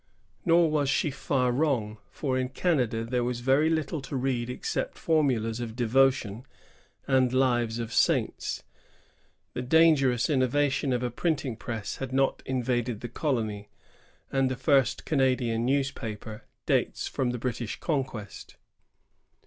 Nor was she far wrong, for in Canada there was very little to read except formulas of devotion and lives of saints. The dangerous innovation of a printing press had not invaded the colony,^ and the first Canadian news paper dates from the British conquest.